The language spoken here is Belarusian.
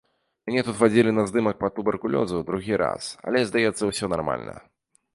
Мяне тут вадзілі на здымак па туберкулёзу другі раз, але, здаецца, усё нармальна.